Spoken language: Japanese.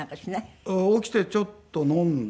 起きてちょっと飲んで。